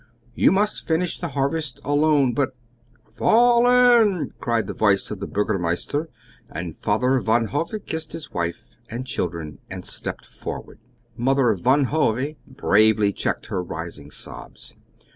You must finish the harvest alone but " "Fall in!" cried the voice of the Burgomeister, and Father Van Hove kissed his wife and children and stepped forward. Mother Van Hove bravely checked her rising sobs.